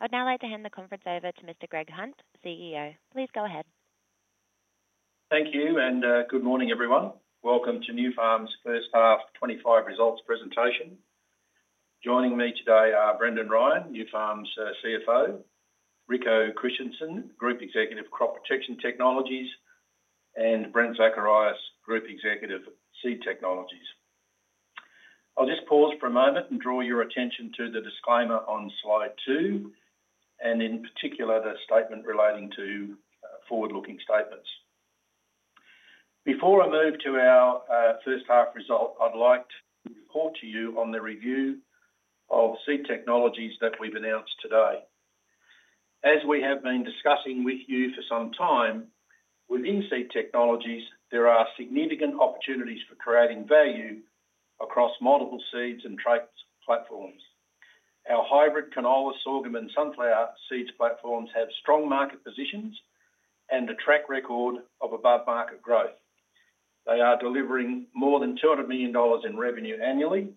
I'd now like to hand the conference over to Mr. Greg Hunt, CEO. Please go ahead. Thank you, and good morning, everyone. Welcome to Nufarm's First Half 2025 Results Presentation. Joining me today are Brendan Ryan, Nufarm's CFO, Rico Christensen, Group Executive Crop Protection Technologies, and Brent Zacharias, Group Executive Seed Technologies. I'll just pause for a moment and draw your attention to the disclaimer on slide two, and in particular, the statement relating to forward-looking statements. Before I move to our first half result, I'd like to report to you on the review of Seed Technologies that we've announced today. As we have been discussing with you for some time, within Seed Technologies, there are significant opportunities for creating value across multiple seeds and traits platforms. Our hybrid canola, sorghum, and sunflower seeds platforms have strong market positions and a track record of above-market growth. They are delivering more than 200 million dollars in revenue annually,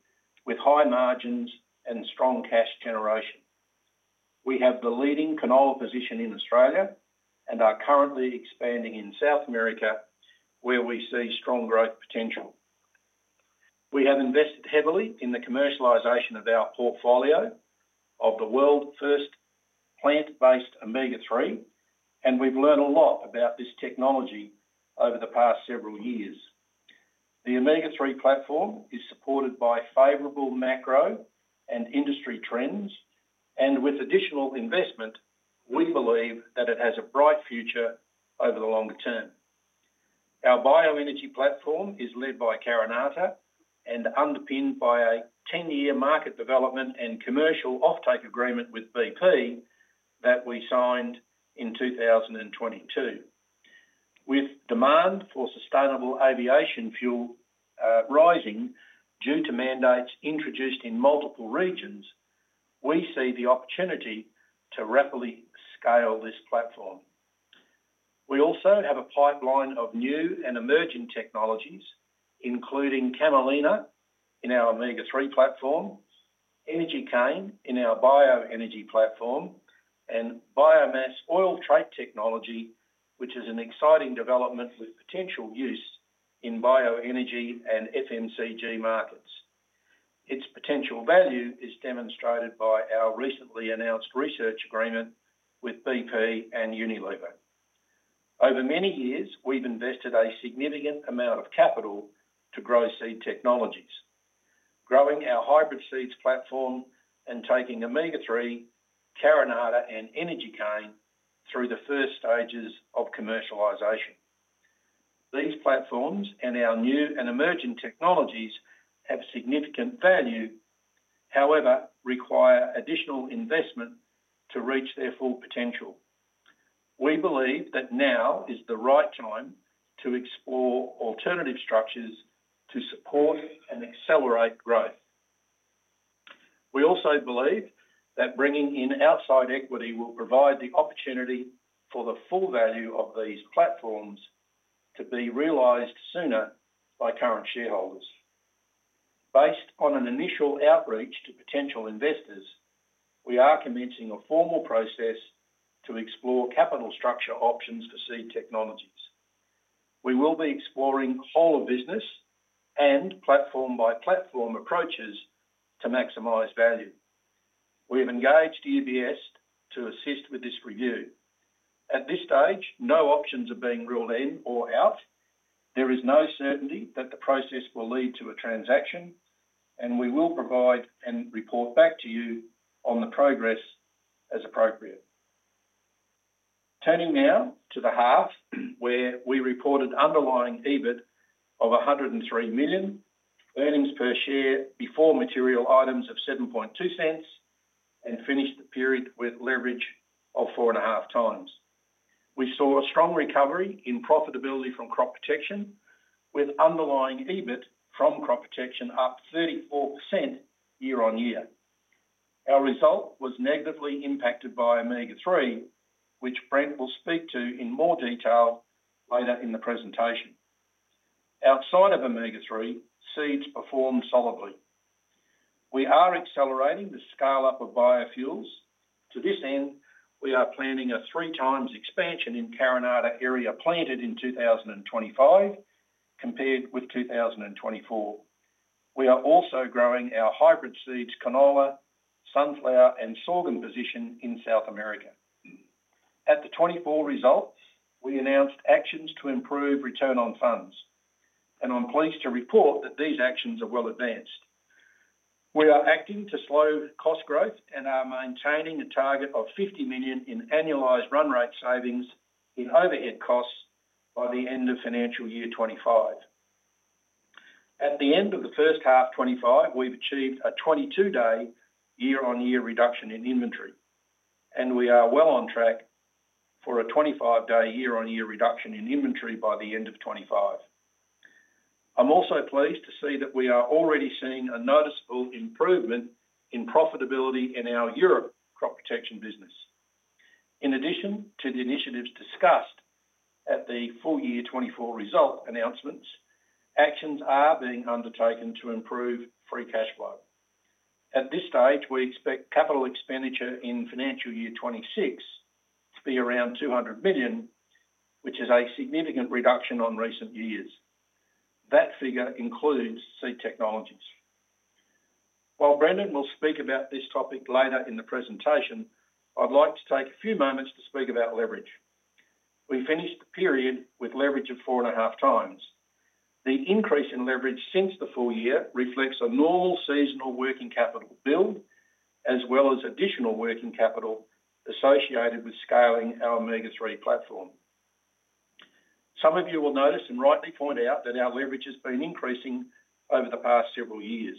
with high margins and strong cash generation. We have the leading canola position in Australia and are currently expanding in South America, where we see strong growth potential. We have invested heavily in the commercialization of our portfolio of the world's first plant-based Omega-3, and we've learned a lot about this technology over the past several years. The Omega-3 platform is supported by favorable macro and industry trends, and with additional investment, we believe that it has a bright future over the longer term. Our Bioenergy platform is led by Carinata and underpinned by a 10-year market development and commercial offtake agreement with BP that we signed in 2022. With demand for sustainable aviation fuel rising due to mandates introduced in multiple regions, we see the opportunity to rapidly scale this platform. We also have a pipeline of new and emerging technologies, including Camelina in our Omega-3 platform, energy cane in our Bioenergy platform, and Biomass Oil Trait Technology, which is an exciting development with potential use in Bioenergy and FMCG markets. Its potential value is demonstrated by our recently announced research agreement with BP and Unilever. Over many years, we've invested a significant amount of capital to grow seed technologies, growing our hybrid seeds platform and taking Omega-3, Carinata, and energy cane through the first stages of commercialization. These platforms and our new and emerging technologies have significant value, however, they require additional investment to reach their full potential. We believe that now is the right time to explore alternative structures to support and accelerate growth. We also believe that bringing in outside equity will provide the opportunity for the full value of these platforms to be realized sooner by current shareholders. Based on an initial outreach to potential investors, we are commencing a formal process to explore capital structure options for Seed Technologies. We will be exploring whole-of-business and platform-by-platform approaches to maximize value. We have engaged UBS to assist with this review. At this stage, no options are being ruled in or out. There is no certainty that the process will lead to a transaction, and we will provide and report back to you on the progress as appropriate. Turning now to the half where we reported underlying EBIT of 103 million, earnings per share before material items of 0.72 cents, and finished the period with leverage of 4.5 times. We saw a strong recovery in profitability from crop protection, with underlying EBIT from Crop Protection up 34% year on year. Our result was negatively impacted by Omega-3, which Brent will speak to in more detail later in the presentation. Outside of Omega-3, seeds perform solidly. We are accelerating the scale-up of biofuels. To this end, we are planning a three-times expansion in Carinata area planted in 2025, compared with 2024. We are also growing our hybrid seeds canola, sunflower, and sorghum position in South America. At the 2024 results, we announced actions to improve return on funds, and I'm pleased to report that these actions are well advanced. We are acting to slow cost growth and are maintaining a target of 50 million in annualized run rate savings in overhead costs by the end of financial year 2025. At the end of the first half 2025, we've achieved a 22-day year-on-year reduction in inventory, and we are well on track for a 25-day year-on-year reduction in inventory by the end of 2025. I'm also pleased to see that we are already seeing a noticeable improvement in profitability in our Europe crop protection business. In addition to the initiatives discussed at the full year 2024 result announcements, actions are being undertaken to improve free cash flow. At this stage, we expect capital expenditure in financial year 2026 to be around 200 million, which is a significant reduction on recent years. That figure includes Seed Technologies. While Brendan will speak about this topic later in the presentation, I'd like to take a few moments to speak about leverage. We finished the period with leverage of 4.5 times. The increase in leverage since the full year reflects a normal seasonal working capital build, as well as additional working capital associated with scaling our Omega-3 platform. Some of you will notice and rightly point out that our leverage has been increasing over the past several years.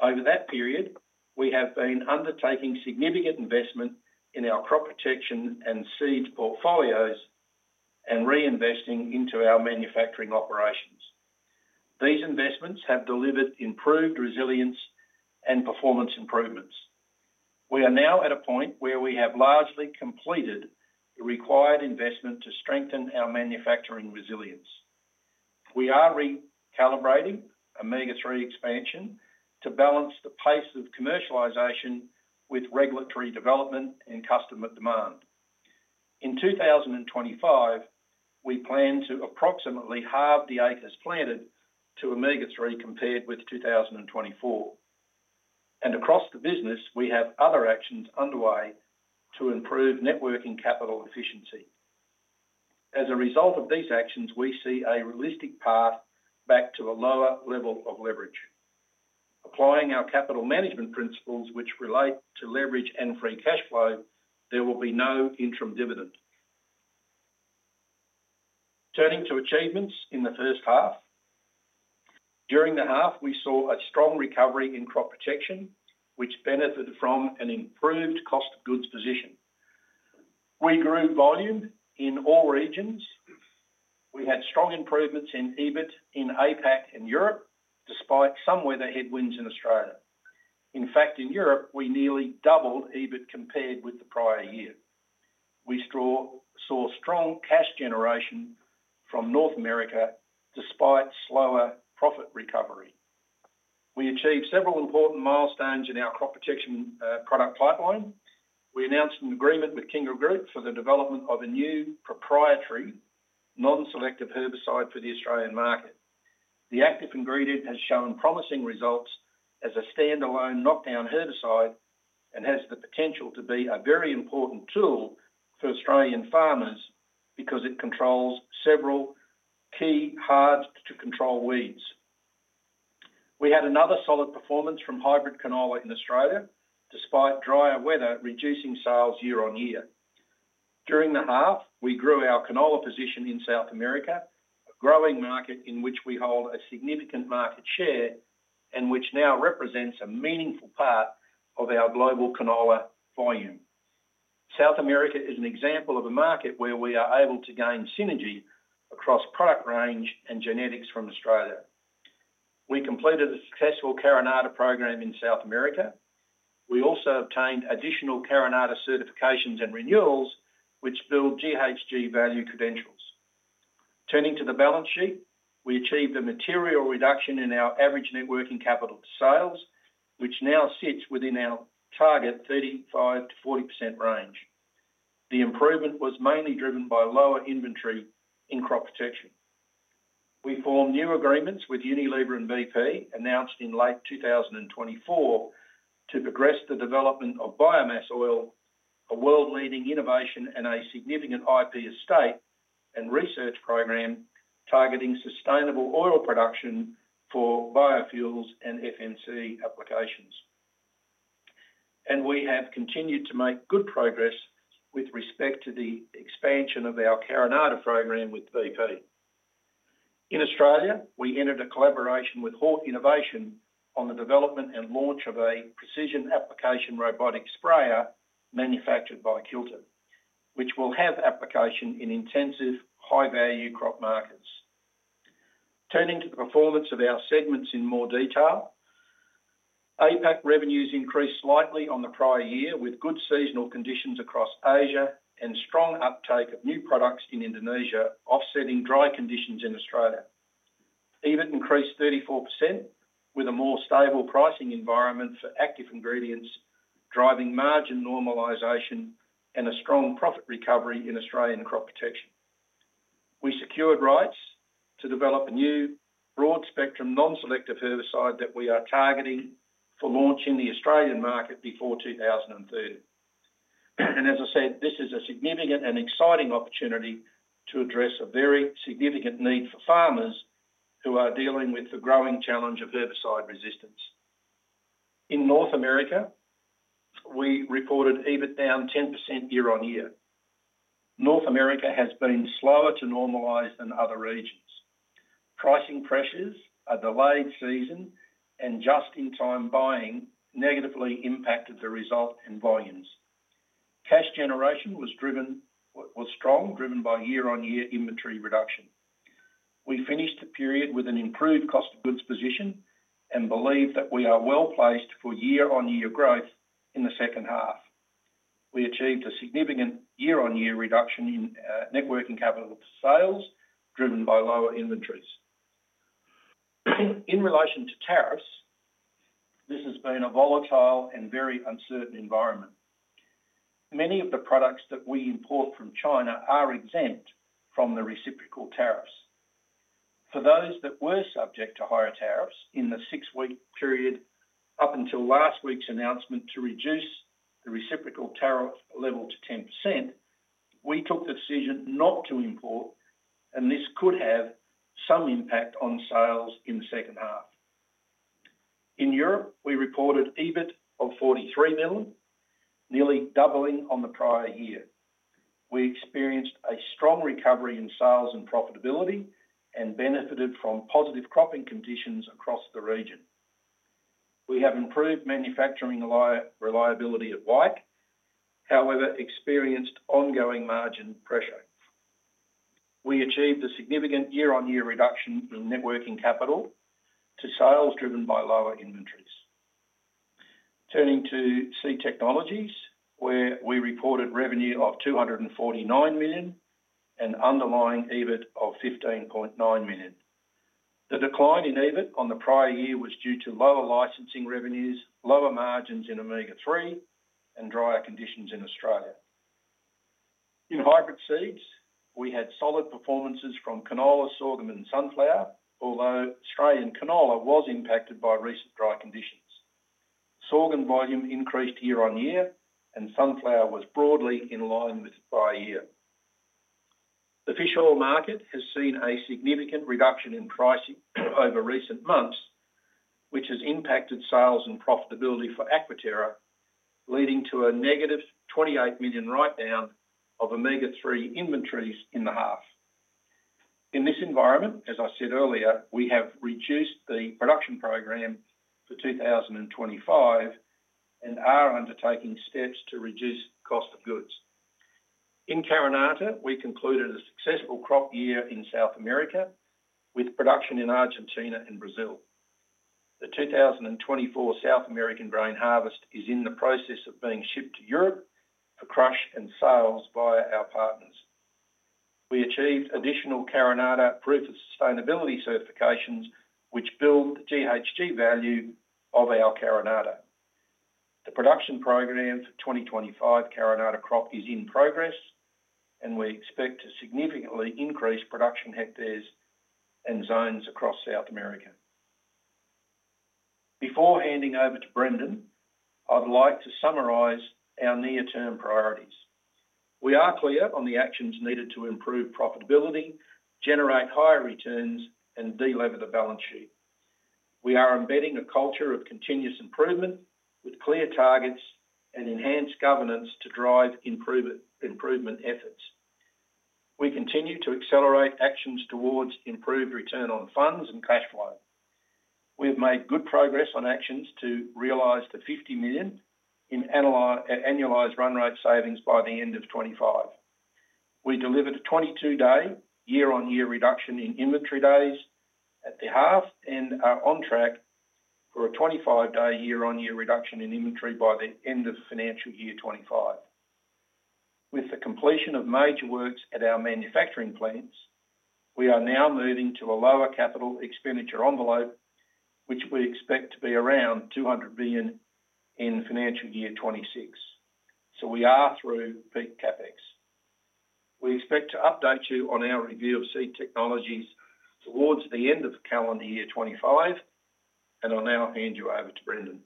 Over that period, we have been undertaking significant investment in our crop protection and seed portfolios and reinvesting into our manufacturing operations. These investments have delivered improved resilience and performance improvements. We are now at a point where we have largely completed the required investment to strengthen our manufacturing resilience. We are recalibrating Omega-3 expansion to balance the pace of commercialization with regulatory development and customer demand. In 2025, we plan to approximately halve the acres planted to Omega-3 compared with 2024. Across the business, we have other actions underway to improve networking capital efficiency. As a result of these actions, we see a realistic path back to a lower level of leverage. Applying our capital management principles, which relate to leverage and free cash flow, there will be no interim dividend. Turning to achievements in the first half. During the half, we saw a strong recovery in crop protection, which benefited from an improved cost of goods position. We grew volume in all regions. We had strong improvements in EBIT in APAC and Europe, despite some weather headwinds in Australia. In fact, in Europe, we nearly doubled EBIT compared with the prior year. We saw strong cash generation from North America despite slower profit recovery. We achieved several important milestones in our crop protection product pipeline. We announced an agreement with Kindle Group for the development of a new proprietary non-selective herbicide for the Australian market. The active ingredient has shown promising results as a standalone knockdown herbicide and has the potential to be a very important tool for Australian farmers because it controls several key hard-to-control weeds. We had another solid performance from hybrid canola in Australia, despite drier weather reducing sales year on year. During the half, we grew our canola position in South America, a growing market in which we hold a significant market share and which now represents a meaningful part of our global canola volume. South America is an example of a market where we are able to gain synergy across product range and genetics from Australia. We completed a successful Carinata program in South America. We also obtained additional Carinata certifications and renewals, which build GHG value credentials. Turning to the balance sheet, we achieved a material reduction in our average networking capital sales, which now sits within our target 35-40% range. The improvement was mainly driven by lower inventory in crop protection. We formed new agreements with Unilever and BP, announced in late 2024, to progress the development of Biomass Oil, a world-leading innovation and a significant IP estate and research program targeting sustainable oil production for biofuels and FMC applications. We have continued to make good progress with respect to the expansion of our Carinata program with BP. In Australia, we entered a collaboration with Hort Innovation on the development and launch of a precision application robotic sprayer manufactured by Kilton, which will have application in intensive high-value crop markets. Turning to the performance of our segments in more detail, APAC revenues increased slightly on the prior year with good seasonal conditions across Asia and strong uptake of new products in Indonesia, offsetting dry conditions in Australia. EBIT increased 34% with a more stable pricing environment for active ingredients, driving margin normalization and a strong profit recovery in Australian crop protection. We secured rights to develop a new broad-spectrum non-selective herbicide that we are targeting for launch in the Australian market before 2030. As I said, this is a significant and exciting opportunity to address a very significant need for farmers who are dealing with the growing challenge of herbicide resistance. In North America, we reported EBIT down 10% year on year. North America has been slower to normalize than other regions. Pricing pressures, a delayed season, and just-in-time buying negatively impacted the result in volumes. Cash generation was strong, driven by year-on-year inventory reduction. We finished the period with an improved cost of goods position and believe that we are well placed for year-on-year growth in the second half. We achieved a significant year-on-year reduction in networking capital sales, driven by lower inventories. In relation to tariffs, this has been a volatile and very uncertain environment. Many of the products that we import from China are exempt from the reciprocal tariffs. For those that were subject to higher tariffs in the six-week period up until last week's announcement to reduce the reciprocal tariff level to 10%, we took the decision not to import, and this could have some impact on sales in the second half. In Europe, we reported EBIT of $43 million, nearly doubling on the prior year. We experienced a strong recovery in sales and profitability and benefited from positive cropping conditions across the region. We have improved manufacturing reliability at Wyke. However, we experienced ongoing margin pressure. We achieved a significant year-on-year reduction in networking capital to sales driven by lower inventories. Turning to Seed Technologies, where we reported revenue of 249 million and underlying EBIT of 15.9 million. The decline in EBIT on the prior year was due to lower licensing revenues, lower margins in Omega-3, and drier conditions in Australia. In hybrid seeds, we had solid performances from canola, sorghum, and sunflower, although Australian canola was impacted by recent dry conditions. Sorghum volume increased year-on-year, and sunflower was broadly in line with the prior year. The fish oil market has seen a significant reduction in pricing over recent months, which has impacted sales and profitability for Aquaterra, leading to a negative 28 million write-down of Omega-3 inventories in the half. In this environment, as I said earlier, we have reduced the production program for 2025 and are undertaking steps to reduce cost of goods. In Carinata, we concluded a successful crop year in South America with production in Argentina and Brazil. The 2024 South American grain harvest is in the process of being shipped to Europe for crush and sales by our partners. We achieved additional Carinata proof of sustainability certifications, which build the GHG value of our Carinata. The production program for 2025 Carinata crop is in progress, and we expect to significantly increase production hectares and zones across South America. Before handing over to Brendan, I'd like to summarize our near-term priorities. We are clear on the actions needed to improve profitability, generate higher returns, and deleverage the balance sheet. We are embedding a culture of continuous improvement with clear targets and enhanced governance to drive improvement efforts. We continue to accelerate actions towards improved return on funds and cash flow. We have made good progress on actions to realize the 50 million in annualized run rate savings by the end of 2025. We delivered a 22-day year-on-year reduction in inventory days at the half and are on track for a 25-day year-on-year reduction in inventory by the end of financial year 2025. With the completion of major works at our manufacturing plants, we are now moving to a lower capital expenditure envelope, which we expect to be around 200 million in financial year 2026. We are through peak CapEx. We expect to update you on our review of Seed Technologies towards the end of calendar year 2025, and I'll now hand you over to Brendan.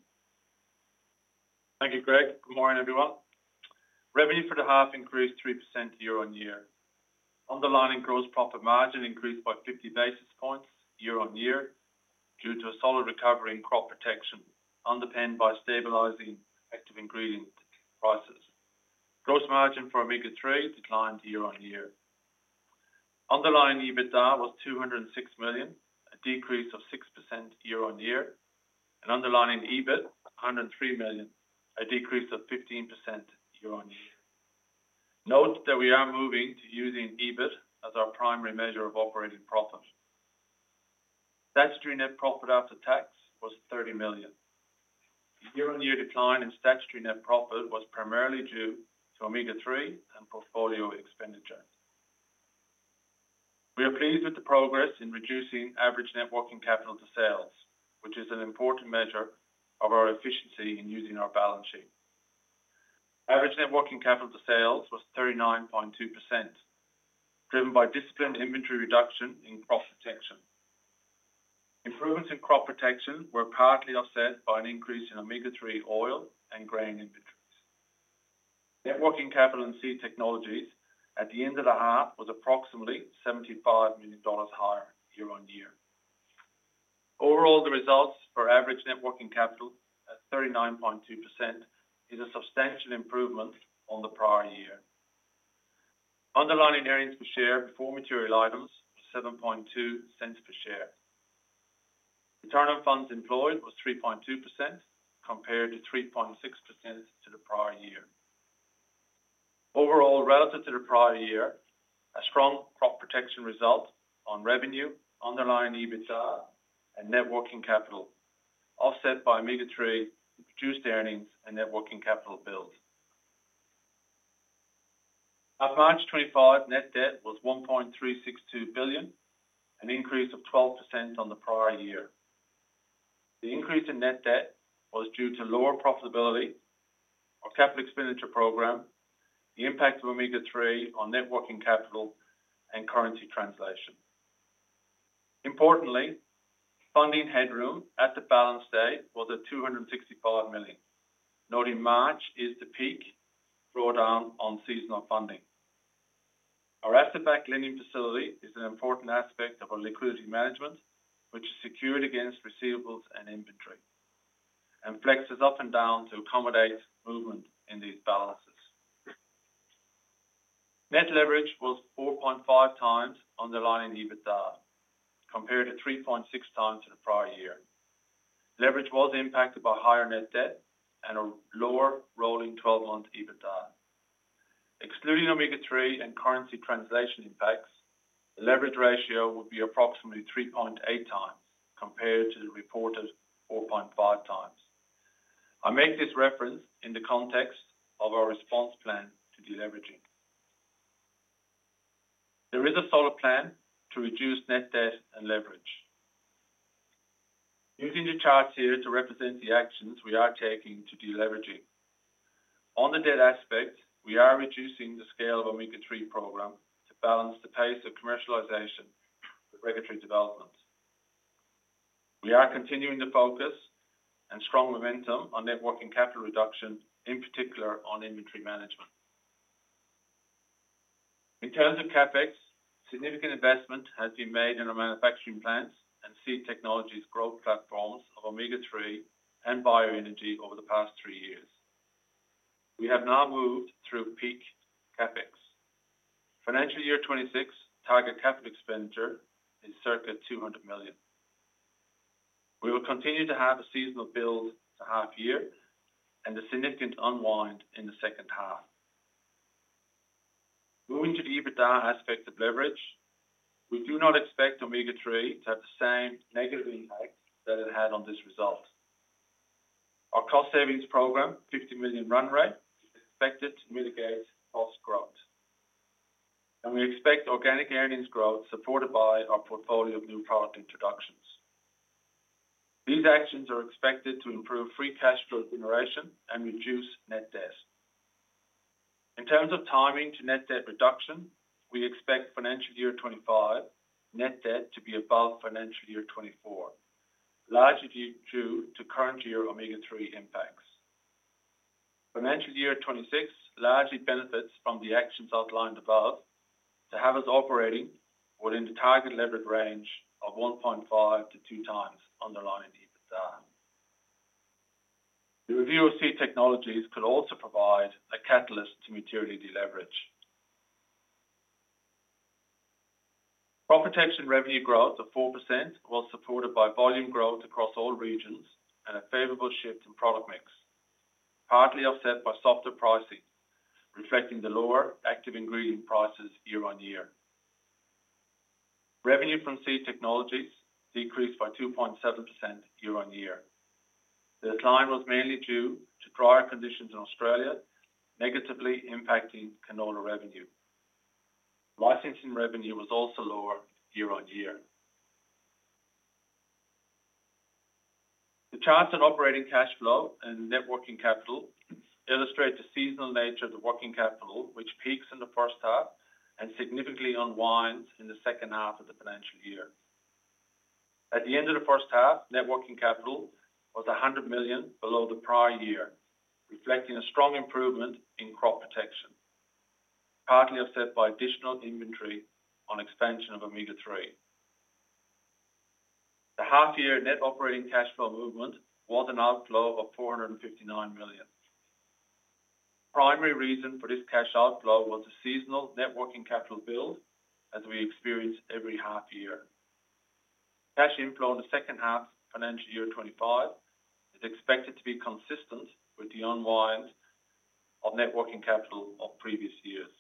Thank you, Greg. Good morning, everyone. Revenue for the half increased 3% year-on-year. Underlying gross profit margin increased by 50 basis points year-on-year due to a solid recovery in crop protection underpinned by stabilizing active ingredient prices. Gross margin for Omega-3 declined year-on-year. Underlying EBITDA was 206 million, a decrease of 6% year-on-year, and underlying EBIT, 103 million, a decrease of 15% year-on-year. Note that we are moving to using EBIT as our primary measure of operating profit. Statutory net profit after tax was 30 million. The year-on-year decline in statutory net profit was primarily due to Omega-3 and portfolio expenditure. We are pleased with the progress in reducing average networking capital to sales, which is an important measure of our efficiency in using our balance sheet. Average networking capital to sales was 39.2%, driven by disciplined inventory reduction in crop protection. Improvements in crop protection were partly offset by an increase in Omega-3 oil and grain inventories. Networking capital in Seed Technologies at the end of the half was approximately 75 million dollars higher year-on-year. Overall, the results for average networking capital at 39.2% is a substantial improvement on the prior year. Underlying earnings per share before material items was 7.20 per share. Return on funds employed was 3.2% compared to 3.6% in the prior year. Overall, relative to the prior year, a strong crop protection result on revenue, underlying EBITDA, and networking capital offset by Omega-3 produced earnings and networking capital build. At March 25, net debt was AUD 1.360 billion, an increase of 12% on the prior year. The increase in net debt was due to lower profitability of capital expenditure program, the impact of Omega-3 on networking capital, and currency translation. Importantly, funding headroom at the balance date was at 265 million, noting March is the peak draw-down on seasonal funding. Our after-back lending facility is an important aspect of our liquidity management, which is secured against receivables and inventory and flexes up and down to accommodate movement in these balances. Net leverage was 4.5 times underlying EBITDA compared to 3.6 times to the prior year. Leverage was impacted by higher net debt and a lower rolling 12-month EBITDA. Excluding Omega-3 and currency translation impacts, the leverage ratio would be approximately 3.8 times compared to the reported 4.5 times. I make this reference in the context of our response plan to deleveraging. There is a solid plan to reduce net debt and leverage. Using the charts here to represent the actions we are taking to deleveraging. On the debt aspect, we are reducing the scale of Omega-3 program to balance the pace of commercialization with regulatory development. We are continuing to focus and strong momentum on networking capital reduction, in particular on inventory management. In terms of CapEx, significant investment has been made in our manufacturing plants and Seed Technologies growth platforms of Omega-3 and bioenergy over the past three years. We have now moved through peak CapEx. Financial year 2026 target capital expenditure is circa 200 million. We will continue to have a seasonal build to half year and a significant unwind in the second half. Moving to the EBITDA aspect of leverage, we do not expect Omega-3 to have the same negative impact that it had on this result. Our cost savings program, 150 million run rate, is expected to mitigate cost growth. We expect organic earnings growth supported by our portfolio of new product introductions. These actions are expected to improve free cash flow generation and reduce net debt. In terms of timing to net debt reduction, we expect financial year 2025 net debt to be above financial year 2024, largely due to current year Omega-3 impacts. Financial year 2026 largely benefits from the actions outlined above to have us operating within the target leverage range of 1.5-2 times underlying EBITDA. The review of Seed Technologies could also provide a catalyst to material deleverage. Crop protection revenue growth of 4% was supported by volume growth across all regions and a favorable shift in product mix, partly offset by softer pricing reflecting the lower active ingredient prices year-on-year. Revenue from Seed Technologies decreased by 2.7% year-on-year. This line was mainly due to drier conditions in Australia, negatively impacting canola revenue. Licensing revenue was also lower year-on-year. The charts on operating cash flow and networking capital illustrate the seasonal nature of the working capital, which peaks in the first half and significantly unwinds in the second half of the financial year. At the end of the first half, networking capital was 100 million below the prior year, reflecting a strong improvement in crop protection, partly offset by additional inventory on expansion of Omega-3. The half-year net operating cash flow movement was an outflow of 459 million. Primary reason for this cash outflow was the seasonal networking capital build as we experience every half-year. Cash inflow in the second half of financial year 2025 is expected to be consistent with the unwind of networking capital of previous years.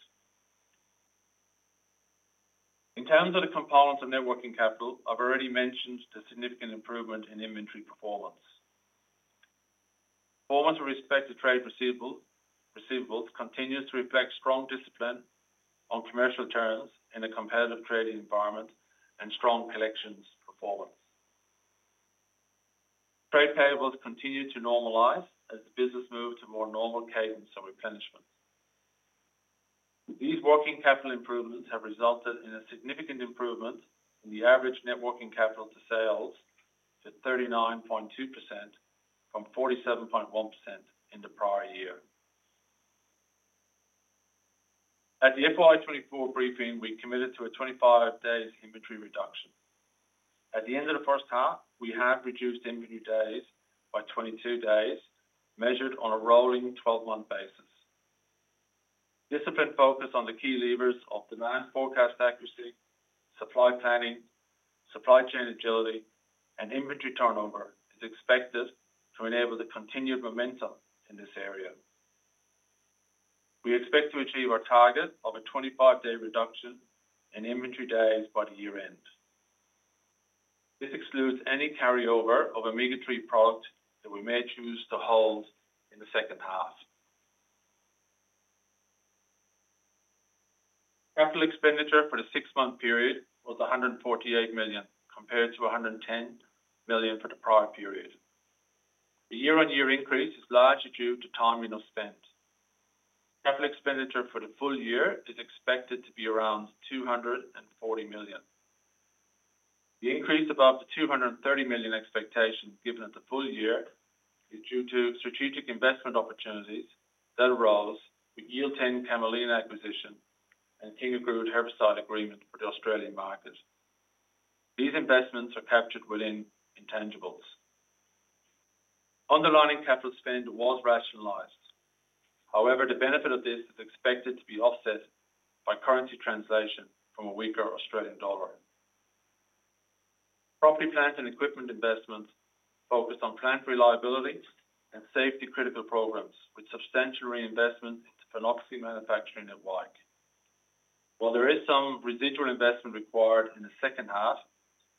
In terms of the components of networking capital, I've already mentioned the significant improvement in inventory performance. Performance with respect to trade receivables continues to reflect strong discipline on commercial terms in a competitive trading environment and strong collections performance. Trade payables continue to normalize as the business moves to more normal cadence of replenishment. These working capital improvements have resulted in a significant improvement in the average networking capital to sales to 39.2% from 47.1% in the prior year. At the FY 2024 briefing, we committed to a 25-day inventory reduction. At the end of the first half, we have reduced inventory days by 22 days, measured on a rolling 12-month basis. Discipline focus on the key levers of demand forecast accuracy, supply planning, supply chain agility, and inventory turnover is expected to enable the continued momentum in this area. We expect to achieve our target of a 25-day reduction in inventory days by the year-end. This excludes any carryover of Omega-3 product that we may choose to hold in the second half. Capital expenditure for the six-month period was 148 million compared to 110 million for the prior period. The year-on-year increase is largely due to timing of spend. Capital expenditure for the full year is expected to be around 240 million. The increase above the 230 million expectation given at the full year is due to strategic investment opportunities that arose with Yield10 camelina acquisition and KingAgroot herbicide agreement for the Australian market. These investments are captured within intangibles. Underlying capital spend was rationalized. However, the benefit of this is expected to be offset by currency translation from a weaker Australian dollar. Property, plant, and equipment investments focused on plant reliability and safety-critical programs with substantial reinvestment into phenoxy manufacturing at Wyke. While there is some residual investment required in the second half,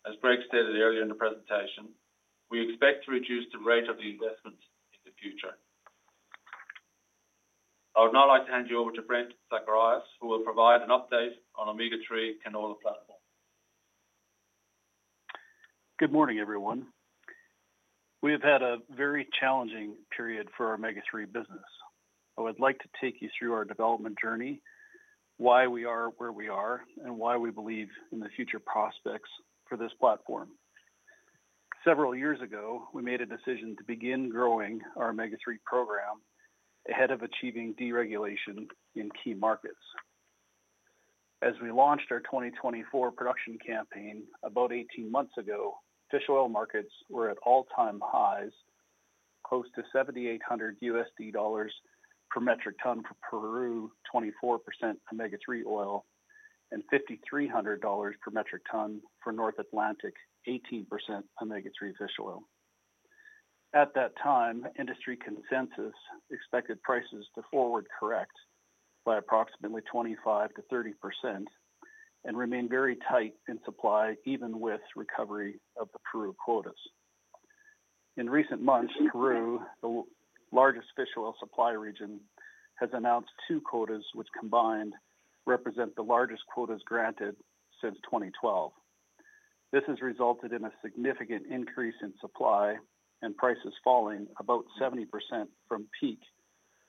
as Greg stated earlier in the presentation, we expect to reduce the rate of the investment in the future. I would now like to hand you over to Brent Zacharias, who will provide an update on Omega-3 Canola platform. Good morning, everyone. We have had a very challenging period for our Omega-3 business. I would like to take you through our development journey, why we are where we are, and why we believe in the future prospects for this platform. Several years ago, we made a decision to begin growing our Omega-3 program ahead of achieving deregulation in key markets. As we launched our 2024 production campaign about 18 months ago, fish oil markets were at all-time highs, close to $7,800 per metric ton for Peru 24% Omega-3 oil and $5,300 per metric ton for North Atlantic 18% Omega-3 fish oil. At that time, industry consensus expected prices to forward correct by approximately 25 to 30% and remain very tight in supply even with recovery of the Peru quotas. In recent months, Peru, the largest fish oil supply region, has announced two quotas, which combined represent the largest quotas granted since 2012. This has resulted in a significant increase in supply and prices falling about 70% from peak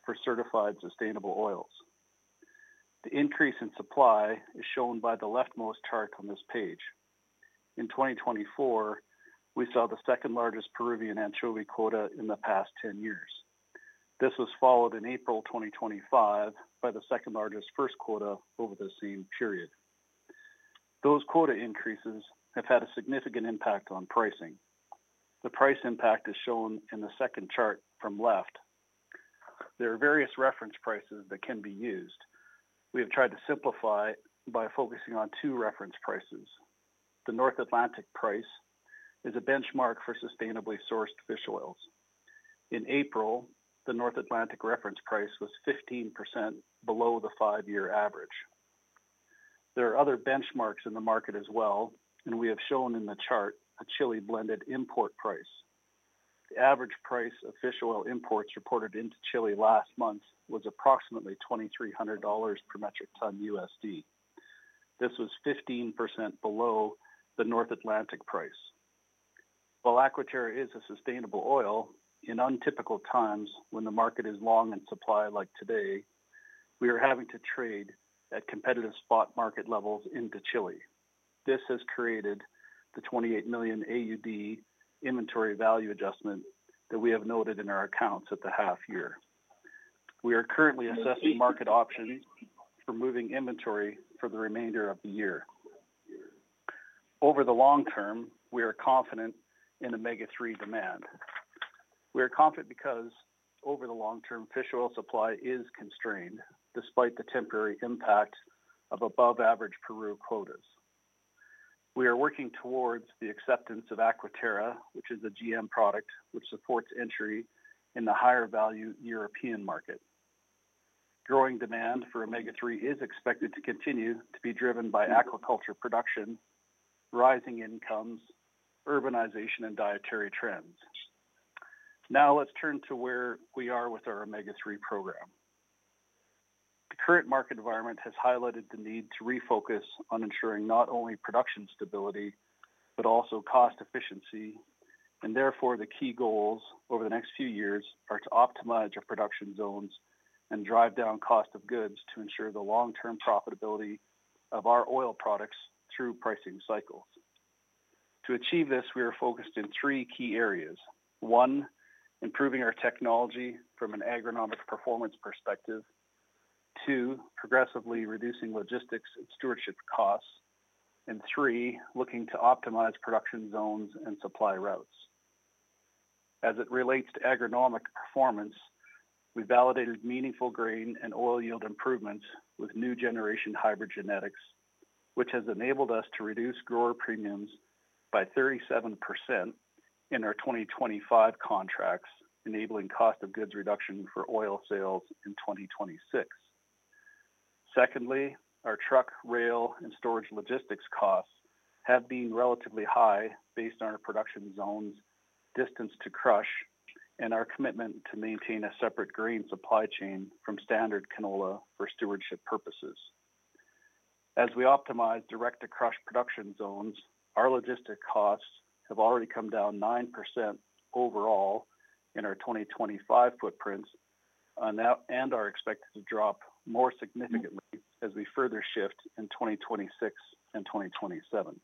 for certified sustainable oils. The increase in supply is shown by the leftmost chart on this page. In 2024, we saw the second largest Peruvian anchovy quota in the past 10 years. This was followed in April 2025 by the second largest first quota over the same period. Those quota increases have had a significant impact on pricing. The price impact is shown in the second chart from left. There are various reference prices that can be used. We have tried to simplify by focusing on two reference prices. The North Atlantic price is a benchmark for sustainably sourced fish oils. In April, the North Atlantic reference price was 15% below the five-year average. There are other benchmarks in the market as well, and we have shown in the chart a Chile-blended import price. The average price of fish oil imports reported into Chile last month was approximately $2,300 per metric ton USD. This was 15% below the North Atlantic price. While Aquaterra is a sustainable oil, in untypical times when the market is long in supply like today, we are having to trade at competitive spot market levels into Chile. This has created the 28 million AUD inventory value adjustment that we have noted in our accounts at the half year. We are currently assessing market options for moving inventory for the remainder of the year. Over the long term, we are confident in Omega-3 demand. We are confident because over the long term, fish oil supply is constrained despite the temporary impact of above-average Peru quotas. We are working towards the acceptance of Aquaterra, which is a GM product that supports entry in the higher-value European market. Growing demand for Omega-3 is expected to continue to be driven by aquaculture production, rising incomes, urbanization, and dietary trends. Now let's turn to where we are with our Omega-3 program. The current market environment has highlighted the need to refocus on ensuring not only production stability but also cost efficiency. Therefore, the key goals over the next few years are to optimize our production zones and drive down cost of goods to ensure the long-term profitability of our oil products through pricing cycles. To achieve this, we are focused in three key areas. One, improving our technology from an agronomic performance perspective. Two, progressively reducing logistics and stewardship costs. Three, looking to optimize production zones and supply routes. As it relates to agronomic performance, we validated meaningful grain and oil yield improvements with new generation hybrid genetics, which has enabled us to reduce grower premiums by 37% in our 2025 contracts, enabling cost of goods reduction for oil sales in 2026. Secondly, our truck, rail, and storage logistics costs have been relatively high based on our production zones' distance to crush and our commitment to maintain a separate grain supply chain from standard canola for stewardship purposes. As we optimize direct-to-crush production zones, our logistic costs have already come down 9% overall in our 2025 footprints and are expected to drop more significantly as we further shift in 2026 and 2027.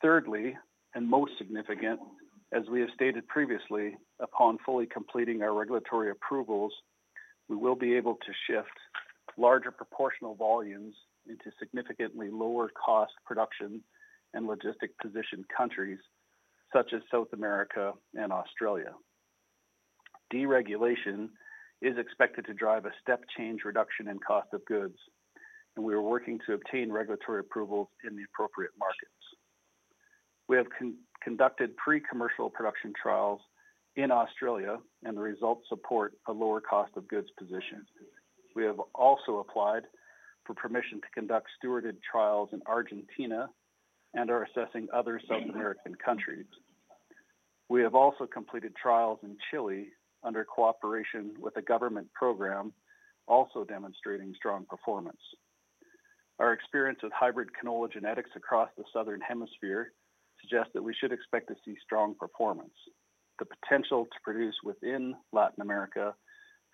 Thirdly, and most significant, as we have stated previously, upon fully completing our regulatory approvals, we will be able to shift larger proportional volumes into significantly lower-cost production and logistic-positioned countries such as South America and Australia. Deregulation is expected to drive a step-change reduction in cost of goods, and we are working to obtain regulatory approvals in the appropriate markets. We have conducted pre-commercial production trials in Australia, and the results support a lower cost of goods position. We have also applied for permission to conduct stewarded trials in Argentina and are assessing other South American countries. We have also completed trials in Chile under cooperation with a government program, also demonstrating strong performance. Our experience with hybrid canola genetics across the southern hemisphere suggests that we should expect to see strong performance. The potential to produce within Latin America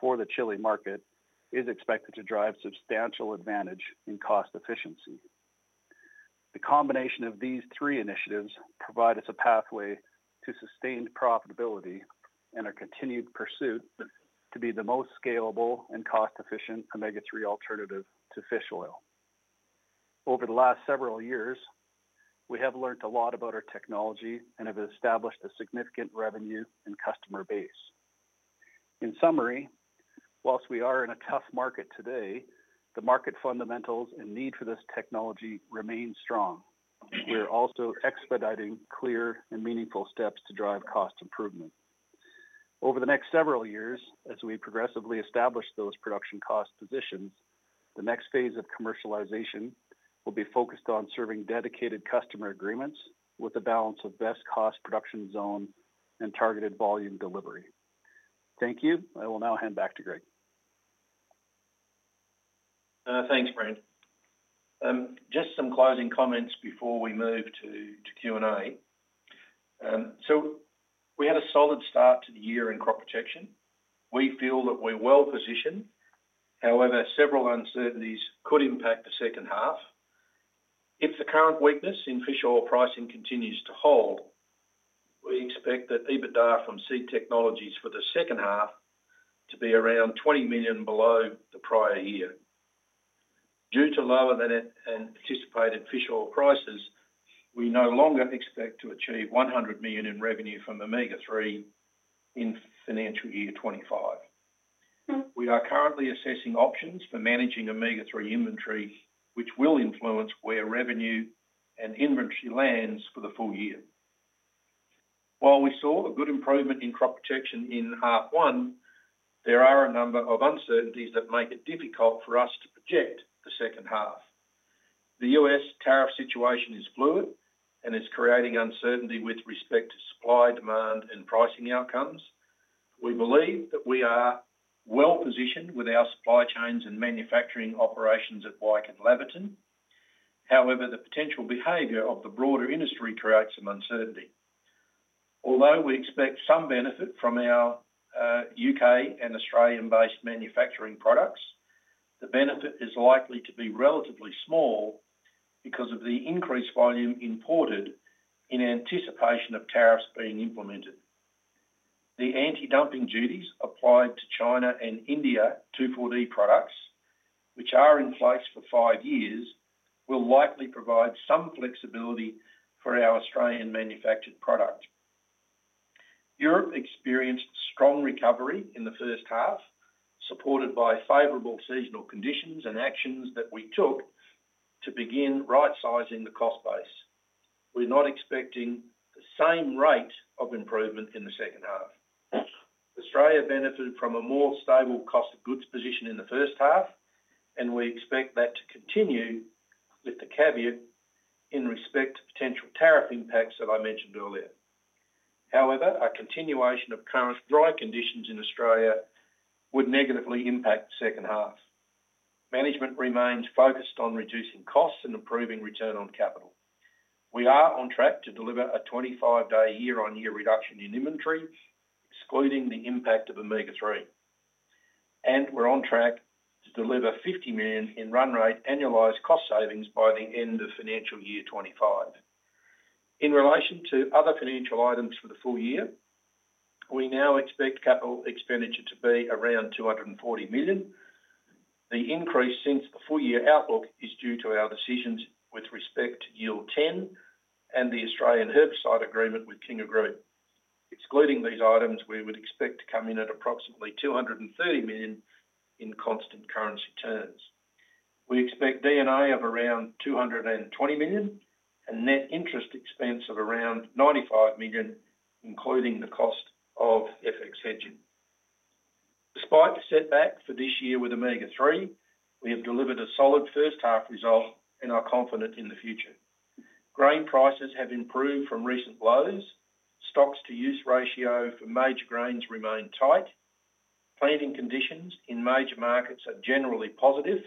for the Chile market is expected to drive substantial advantage in cost efficiency. The combination of these three initiatives provides us a pathway to sustained profitability and a continued pursuit to be the most scalable and cost-efficient Omega-3 alternative to fish oil. Over the last several years, we have learned a lot about our technology and have established a significant revenue and customer base. In summary, whilst we are in a tough market today, the market fundamentals and need for this technology remain strong. We are also expediting clear and meaningful steps to drive cost improvement. Over the next several years, as we progressively establish those production cost positions, the next phase of commercialization will be focused on serving dedicated customer agreements with a balance of best-cost production zone and targeted volume delivery. Thank you. I will now hand back to Greg. Thanks, Brent. Just some closing comments before we move to Q&A. We had a solid start to the year in crop protection. We feel that we're well-positioned. However, several uncertainties could impact the second half. If the current weakness in fish oil pricing continues to hold, we expect that EBITDA from Seed Technologies for the second half to be around $20 million below the prior year. Due to lower-than-anticipated fish oil prices, we no longer expect to achieve $100 million in revenue from Omega-3 in financial year 2025. We are currently assessing options for managing Omega-3 inventory, which will influence where revenue and inventory lands for the full year. While we saw a good improvement in crop protection in half one, there are a number of uncertainties that make it difficult for us to project the second half. The U.S. tariff situation is fluid and is creating uncertainty with respect to supply, demand, and pricing outcomes. We believe that we are well positioned with our supply chains and manufacturing operations at Wyke and Laverton. However, the potential behavior of the broader industry creates some uncertainty. Although we expect some benefit from our U.K. and Australian-based manufacturing products, the benefit is likely to be relatively small because of the increased volume imported in anticipation of tariffs being implemented. The anti-dumping duties applied to China and India 2,4-D products, which are in place for five years, will likely provide some flexibility for our Australian-manufactured product. Europe experienced strong recovery in the first half, supported by favorable seasonal conditions and actions that we took to begin right-sizing the cost base. We're not expecting the same rate of improvement in the second half. Australia benefited from a more stable cost of goods position in the first half, and we expect that to continue with the caveat in respect to potential tariff impacts that I mentioned earlier. However, a continuation of current dry conditions in Australia would negatively impact the second half. Management remains focused on reducing costs and improving return on capital. We are on track to deliver a 25-day year-on-year reduction in inventory, excluding the impact of Omega-3. We are on track to deliver 50 million in run rate annualized cost savings by the end of financial year 2025. In relation to other financial items for the full year, we now expect capital expenditure to be around 240 million. The increase since the full year outlook is due to our decisions with respect to Yield10 and the Australian herbicide agreement with Kindle Group. Excluding these items, we would expect to come in at approximately 230 million in constant currency terms. We expect DNA of around 220 million and net interest expense of around 95 million, including the cost of FX hedging. Despite the setback for this year with Omega-3, we have delivered a solid first half result and are confident in the future. Grain prices have improved from recent lows. Stocks-to-use ratio for major grains remains tight. Planting conditions in major markets are generally positive,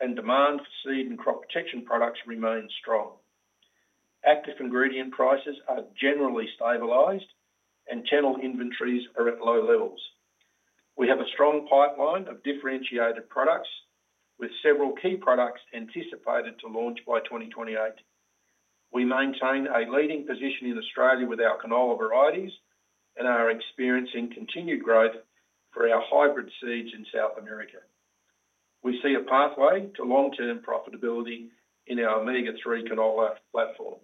and demand for seed and crop protection products remains strong. Active ingredient prices are generally stabilized, and channel inventories are at low levels. We have a strong pipeline of differentiated products with several key products anticipated to launch by 2028. We maintain a leading position in Australia with our canola varieties and are experiencing continued growth for our hybrid seeds in South America. We see a pathway to long-term profitability in our Omega-3 Canola platform.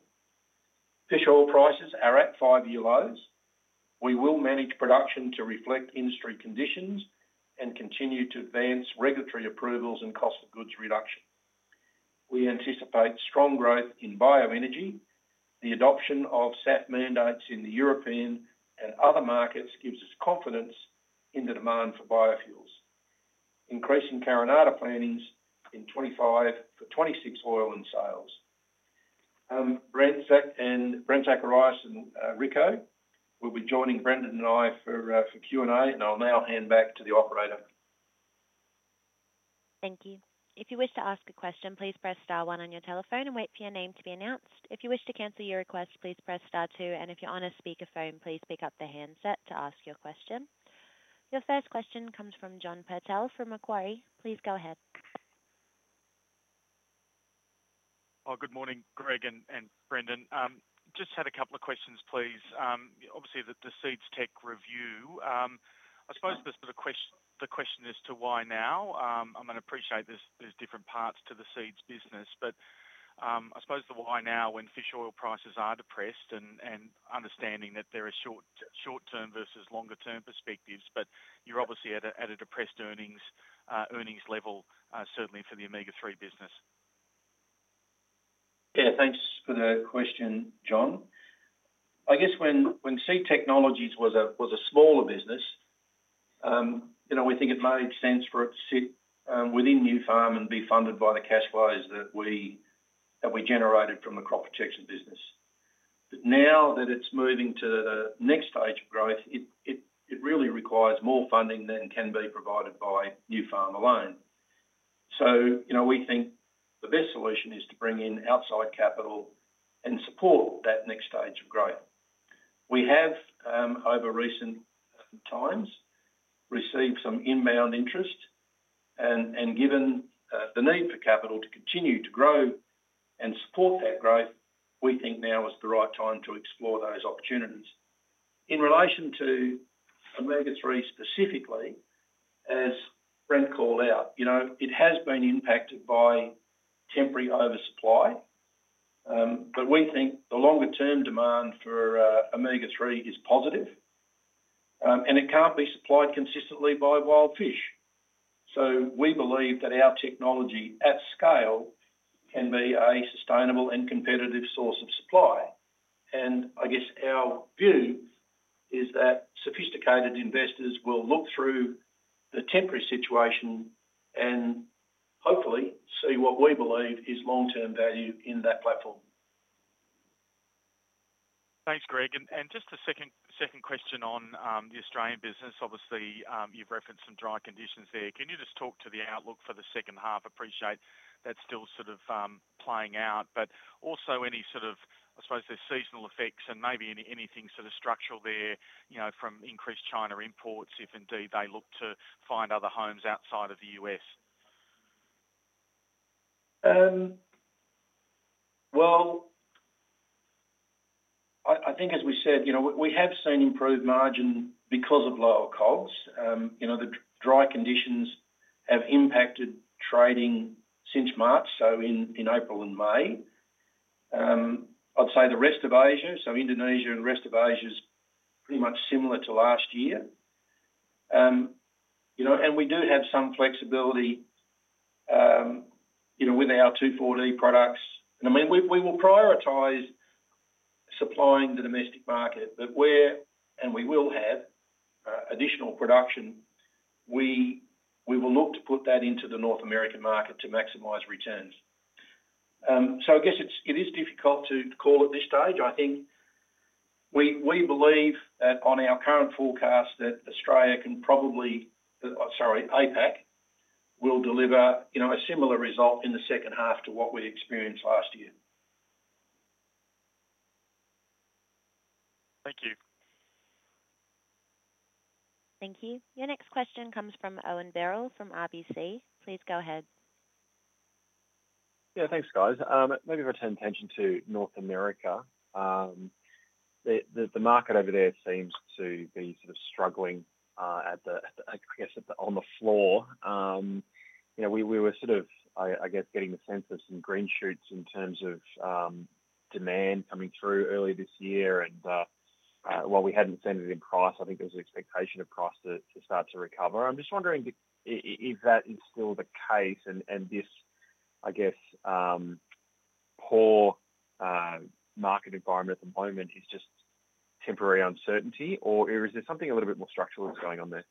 Fish oil prices are at five-year lows. We will manage production to reflect industry conditions and continue to advance regulatory approvals and cost of goods reduction. We anticipate strong growth in bioenergy. The adoption of SAF mandates in the European and other markets gives us confidence in the demand for biofuels. Increasing Carinata plantings in 2025 for 2026 oil and sales. Brent Zacharias and Rico will be joining Brendan and I for Q&A, and I will now hand back to the operator. Thank you. If you wish to ask a question, please press star one on your telephone and wait for your name to be announced. If you wish to cancel your request, please press star two. If you are on a speakerphone, please pick up the handset to ask your question. Your first question comes from John Purtell from Macquarie. Please go ahead. Good morning, Greg and Brendan. Just had a couple of questions, please. Obviously, the Seeds Tech review, I suppose the question is to why now? I appreciate there are different parts to the seeds business, but I suppose the why now when fish oil prices are depressed and understanding that there are short-term versus longer-term perspectives, but you are obviously at a depressed earnings level, certainly for the Omega-3 business? Yeah, thanks for the question, John. I guess when Seed Technologies was a smaller business, we think it made sense for it to sit within Nufarm and be funded by the cash flows that we generated from the crop protection business. Now that it is moving to the next stage of growth, it really requires more funding than can be provided by Nufarm alone. We think the best solution is to bring in outside capital and support that next stage of growth. We have, over recent times, received some inbound interest. Given the need for capital to continue to grow and support that growth, we think now is the right time to explore those opportunities. In relation to Omega-3 specifically, as Brent called out, it has been impacted by temporary over-supply, but we think the longer-term demand for Omega-3 is positive. It cannot be supplied consistently by wild fish. We believe that our technology at scale can be a sustainable and competitive source of supply. I guess our view is that sophisticated investors will look through the temporary situation and hopefully see what we believe is long-term value in that platform. Thanks, Greg. Just a second question on the Australian business. Obviously, you have referenced some dry conditions there. Can you just talk to the outlook for the second half? Appreciate that's still sort of playing out, but also any sort of, I suppose, there's seasonal effects and maybe anything sort of structural there from increased China imports if indeed they look to find other homes outside of the U.S.? I think, as we said, we have seen improved margin because of lower costs. The dry conditions have impacted trading since March, so in April and May. I'd say the rest of Asia, so Indonesia and the rest of Asia is pretty much similar to last year. We do have some flexibility with our 2,4-D products. I mean, we will prioritize supplying the domestic market, but where we will have additional production, we will look to put that into the North American market to maximize returns. I guess it is difficult to call at this stage. I think we believe that on our current forecast that Australia can probably, sorry, APAC will deliver a similar result in the second half to what we experienced last year. Thank you. Thank you. Your next question comes from Owen Birrell from RBC. Please go ahead. Yeah, thanks, guys. Maybe if I turn attention to North America. The market over there seems to be sort of struggling at the, I guess, on the floor. We were sort of, I guess, getting the sense of some green shoots in terms of demand coming through earlier this year. And while we had not seen it in price, I think there was an expectation of price to start to recover. I'm just wondering if that is still the case and this, I guess, poor market environment at the moment is just temporary uncertainty, or is there something a little bit more structural that's going on there?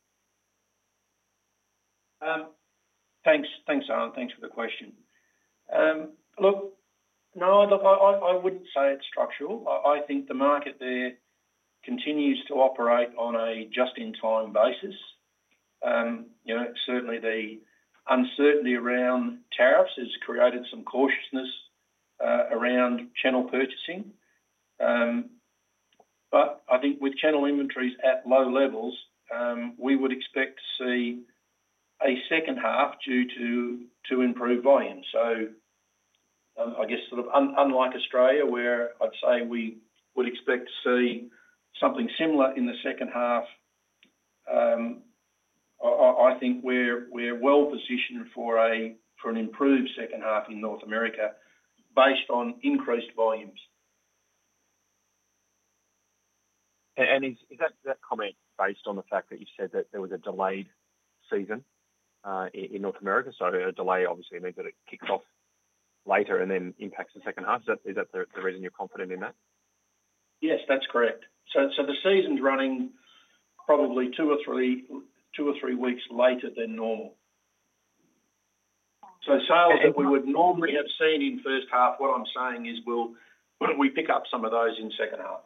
Thanks, Owen. Thanks for the question. Look, no, I wouldn't say it's structural. I think the market there continues to operate on a just-in-time basis. Certainly, the uncertainty around tariffs has created some cautiousness around channel purchasing. I think with channel inventories at low levels, we would expect to see a second half due to improved volume. I guess sort of unlike Australia where I'd say we would expect to see something similar in the second half, I think we're well-positioned for an improved second half in North America based on increased volumes. Is that comment based on the fact that you said that there was a delayed season in North America? A delay obviously means that it kicks off later and then impacts the second half. Is that the reason you're confident in that? Yes, that's correct. The season's running probably two or three weeks later than normal. Sales that we would normally have seen in first half, what I'm saying is we'll pick up some of those in second half.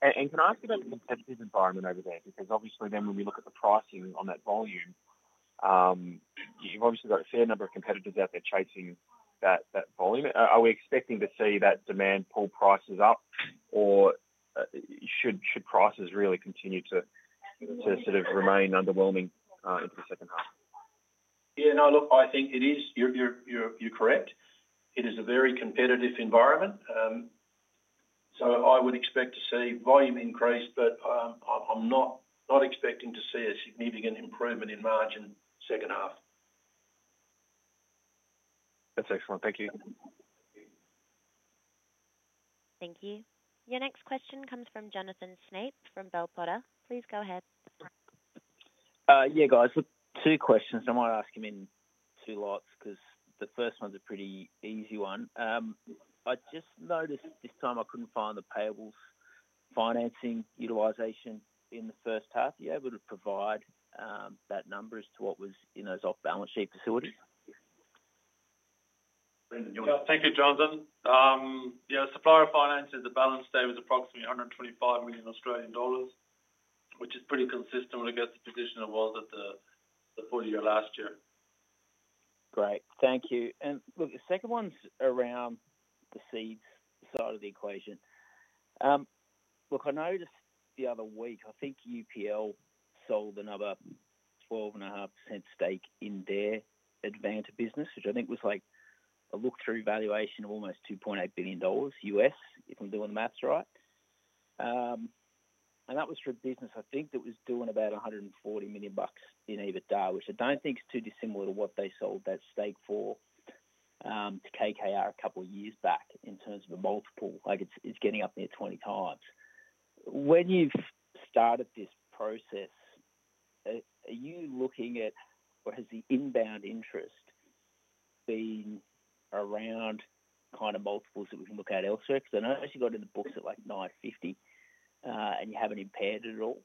Can I ask about the competitive environment over there? Because obviously when we look at the pricing on that volume, you've got a fair number of competitors out there chasing that volume. Are we expecting to see that demand pull prices up, or should prices really continue to sort of remain underwhelming into the second half? Yeah, no, look, I think it is. You're correct. It is a very competitive environment. I would expect to see volume increase, but I'm not expecting to see a significant improvement in margin second half. That's excellent. Thank you. Thank you. Your next question comes from Jonathan Snape from Bell Potter. Please go ahead. Yeah, guys, two questions. I might ask them in two lots because the first one's a pretty easy one. I just noticed this time I couldn't find the payables financing utilization in the first half. Are you able to provide that number as to what was in those off-balance sheet facilities? Thank you, Jonathan. Yeah, supplier finances, the balance there was approximately 125 million Australian dollars, which is pretty consistent with, I guess, the position it was at the full year last year. Great. Thank you. The second one's around the seeds side of the equation. Look, I noticed the other week, I think UPL sold another 12.5% stake in their Advanta business, which I think was like a look-through valuation of almost $2.8 billion U.S., if I'm doing the maths right. And that was for a business, I think, that was doing about $140 million in EBITDA, which I don't think is too dissimilar to what they sold that stake for to KKR a couple of years back in terms of a multiple. It's getting up near 20 times. When you've started this process, are you looking at or has the inbound interest been around kind of multiples that we can look at elsewhere? Because I know she got in the books at like $950 and you haven't impaired it at all.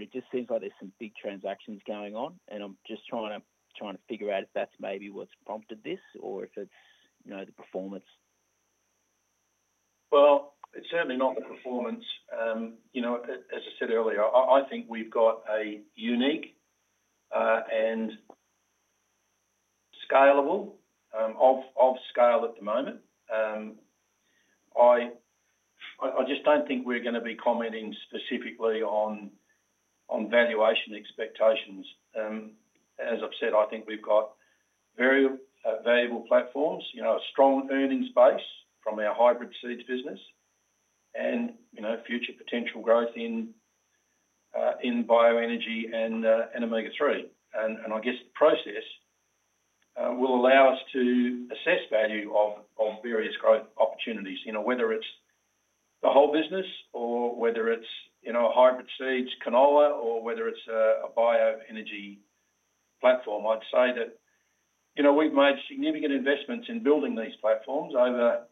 It just seems like there's some big transactions going on, and I'm just trying to figure out if that's maybe what's prompted this or if it's the performance? It is certainly not the performance. As I said earlier, I think we've got a unique and scalable of scale at the moment. I just do not think we're going to be commenting specifically on valuation expectations. As I've said, I think we've got very valuable platforms, a strong earnings base from our hybrid seeds business, and future potential growth in bioenergy and Omega-3. I guess the process will allow us to assess value of various growth opportunities, whether it's the whole business or whether it's a hybrid seeds canola or whether it's a bioenergy platform. I'd say that we've made significant investments in building these platforms. I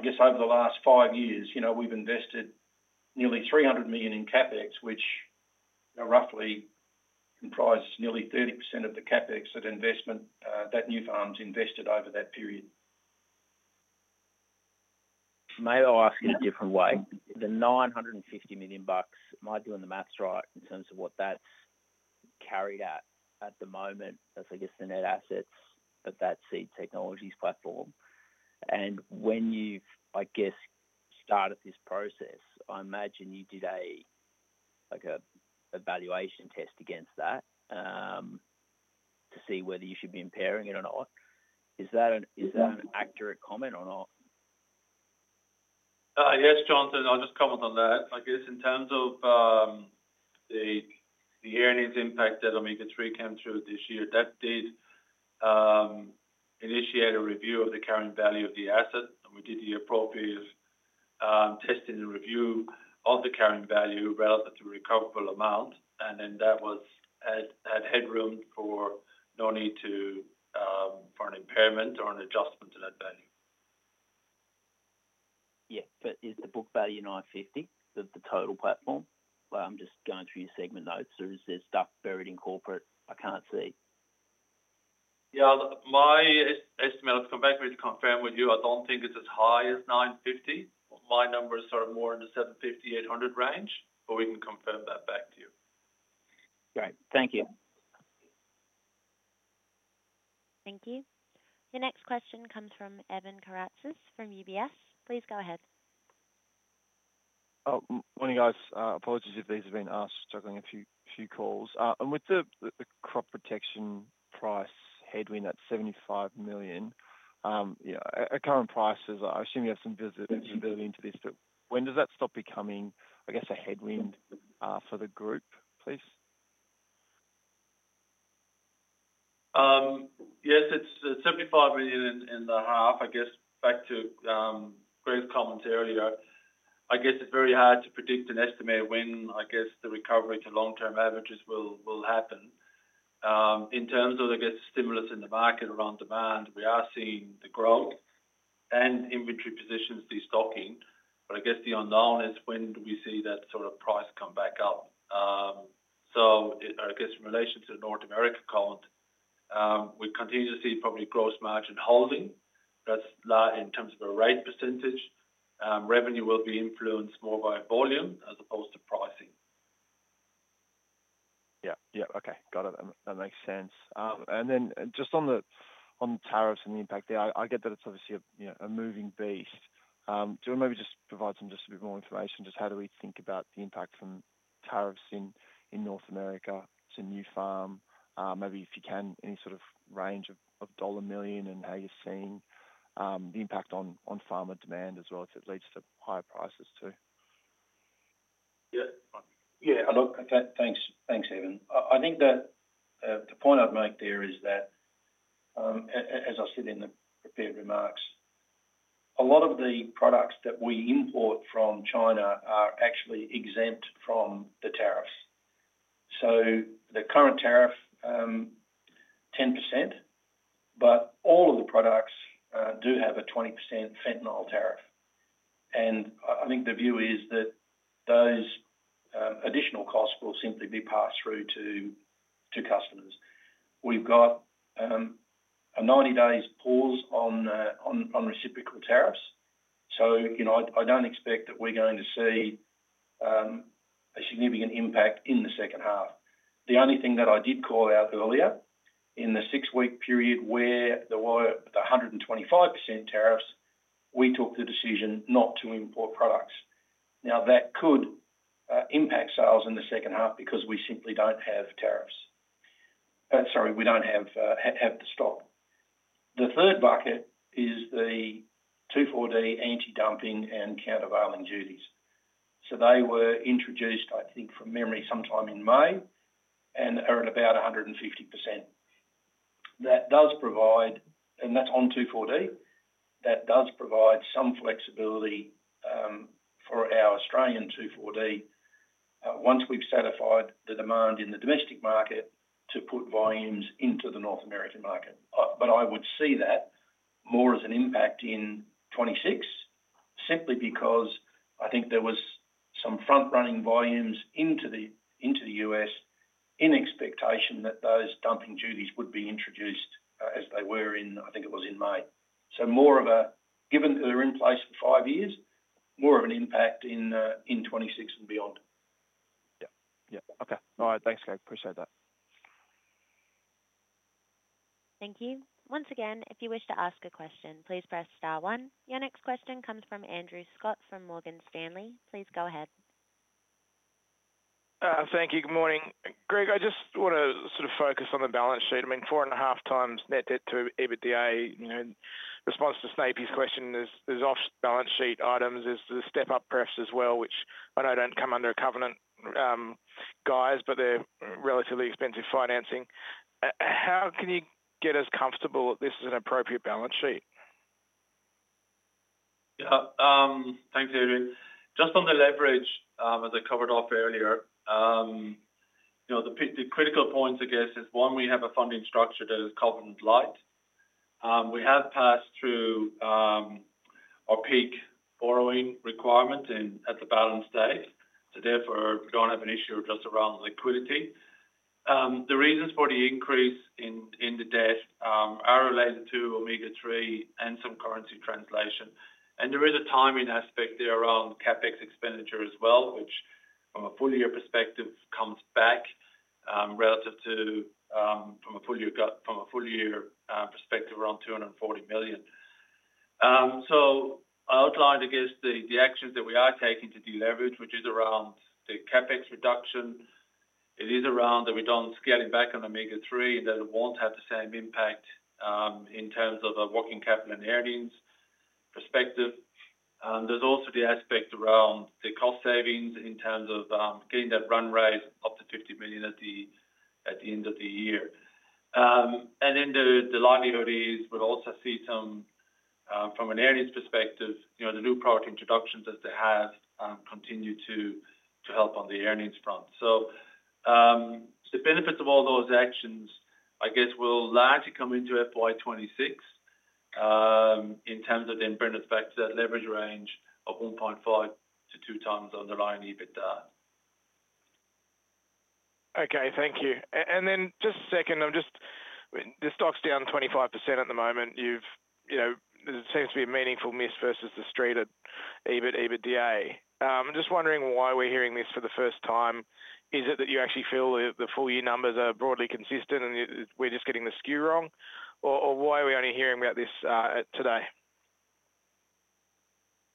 guess over the last five years, we've invested nearly 300 million in CapEx, which roughly comprises nearly 30% of the CapEx that Nufarm's invested over that period. Maybe I'll ask you a different way. The 950 million bucks, am I doing the maths right in terms of what that's carried out at the moment as, I guess, the net assets of that Seed Technologies platform? And when you've, I guess, started this process, I imagine you did a valuation test against that to see whether you should be impairing it or not. Is that an accurate comment or not? Yes, Jonathan, I'll just comment on that. I guess in terms of the earnings impact that Omega-3 came through this year, that did initiate a review of the carrying value of the asset. We did the appropriate testing and review of the carrying value relative to recoverable amount. That had headroom for no need for an impairment or an adjustment to that value. Yeah, but is the book value $950 million, the total platform? I'm just going through your segment notes. Is there stuff buried in corporate I can't see? Yeah, my estimate, I'll come back to confirm with you. I don't think it's as high as $950 million. My number is sort of more in the $750 million to $800 million range, but we can confirm that back to you. Great. Thank you. Thank you. Your next question comes from Evan Karatzas from UBS. Please go ahead. Morning, guys. Apologies if these have been us struggling a few calls. And with the crop protection price headwind at $75 million, current prices, I assume you have some visibility into this, but when does that stop becoming, I guess, a headwind for the group, please? Yes, it's $75 million and a half. I guess back to Greg's comments earlier, I guess it's very hard to predict and estimate when, I guess, the recovery to long-term averages will happen. In terms of, I guess, the stimulus in the market around demand, we are seeing the growth and inventory positions destocking. I guess the unknown is when do we see that sort of price come back up. I guess in relation to the North America comment, we continue to see probably gross margin holding. That's in terms of a rate %. Revenue will be influenced more by volume as opposed to pricing. Yeah, yeah. Okay. Got it. That makes sense. Just on the tariffs and the impact there, I get that it's obviously a moving beast. Do you want to maybe just provide some just a bit more information? Just how do we think about the impact from tariffs in North America to Nufarm? Maybe if you can, any sort of range of dollar million and how you're seeing the impact on farmer demand as well as it leads to higher prices too. Yeah. Yeah. Look, thanks, Evan. I think that the point I'd make there is that, as I said in the prepared remarks, a lot of the products that we import from China are actually exempt from the tariffs. So the current tariff, 10%, but all of the products do have a 20% fentanyl tariff. And I think the view is that those additional costs will simply be passed through to customers. We've got a 90-day pause on reciprocal tariffs. I don't expect that we're going to see a significant impact in the second half. The only thing that I did call out earlier, in the six-week period where there were the 125% tariffs, we took the decision not to import products. Now, that could impact sales in the second half because we simply do not have tariffs. Sorry, we do not have to stop. The third bucket is the 2,4-D anti-dumping and countervailing duties. They were introduced, I think, from memory sometime in May and are at about 150%. That does provide, and that is on 2,4-D, that does provide some flexibility for our Australian 2,4-D once we have satisfied the demand in the domestic market to put volumes into the North American market. I would see that more as an impact in 2026, simply because I think there was some front-running volumes into the U.S. in expectation that those dumping duties would be introduced as they were in, I think it was in May. More of a, given they're in place for five years, more of an impact in 2026 and beyond. Yeah. Yeah. Okay. All right. Thanks, Greg. Appreciate that. Thank you. Once again, if you wish to ask a question, please press star one. Your next question comes from Andrew Scott from Morgan Stanley. Please go ahead. Thank you. Good morning. Greg, I just want to sort of focus on the balance sheet. I mean, four and a half times net debt to EBITDA, response to Snape's question, there's off balance sheet items. There's the step-up preps as well, which I know don't come under a covenant, guys, but they're relatively expensive financing. How can you get us comfortable that this is an appropriate balance sheet? Yeah. Thanks, Andrew. Just on the leverage, as I covered off earlier, the critical points, I guess, is one, we have a funding structure that is covenant light. We have passed through our peak borrowing requirement at the balance date. Therefore, we do not have an issue just around liquidity. The reasons for the increase in the debt are related to Omega-3 and some currency translation. There is a timing aspect there around CapEx expenditure as well, which from a full-year perspective comes back relative to, from a full-year perspective, around 240 million. I outlined, I guess, the actions that we are taking to deleverage, which is around the CapEx reduction. It is around that we do not scale it back on Omega-3 and that it will not have the same impact in terms of a working capital and earnings perspective. There's also the aspect around the cost savings in terms of getting that run rate up to 50 million at the end of the year. Then the likelihood is, we'll also see some from an earnings perspective, the new product introductions that they have continue to help on the earnings front. The benefits of all those actions, I guess, will largely come into FY 2026 in terms of then bringing us back to that leverage range of 1.5-2 times underlying EBITDA. Okay. Thank you. Just a second, the stock's down 25% at the moment. There seems to be a meaningful miss versus the street at EBIT, EBITDA. I'm just wondering why we're hearing this for the first time. Is it that you actually feel the full-year numbers are broadly consistent and we're just getting the skew wrong? Or why are we only hearing about this today?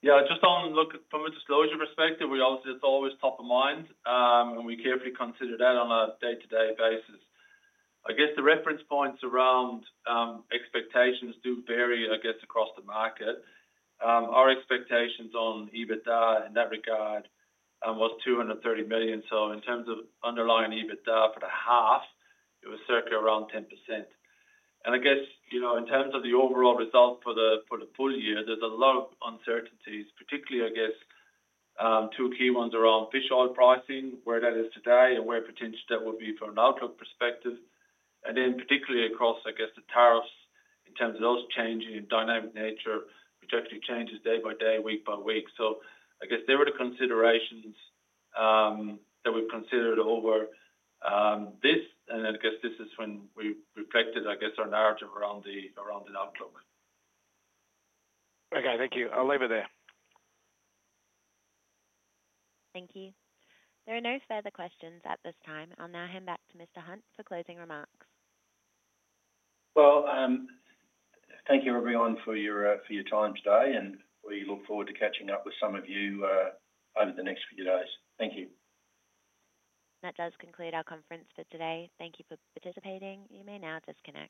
Yeah. Just from a disclosure perspective, it's always top of mind, and we carefully consider that on a day-to-day basis. I guess the reference points around expectations do vary, I guess, across the market. Our expectations on EBITDA in that regard was 230 million. In terms of underlying EBITDA for the half, it was circa around 10%. I guess in terms of the overall result for the full year, there's a lot of uncertainties, particularly, I guess, two key ones around fish oil pricing, where that is today, and where potential that will be from an outlook perspective. Particularly across, I guess, the tariffs in terms of those changing in dynamic nature, which actually changes day by day, week by week. I guess there were the considerations that we've considered over this. I guess this is when we reflected, I guess, our narrative around the outlook. Okay. Thank you. I'll leave it there. Thank you. There are no further questions at this time. I'll now hand back to Mr. Hunt for closing remarks. Thank you, everyone, for your time today. We look forward to catching up with some of you over the next few days. Thank you. That does conclude our conference for today. Thank you for participating. You may now disconnect.